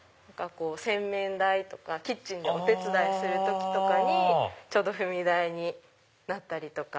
洗面台とかキッチンでお手伝いする時に踏み台になったりとか。